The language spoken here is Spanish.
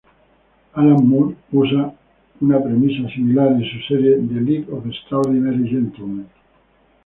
Alan Moore usa una premisa similar en su serie The League of Extraordinary Gentlemen.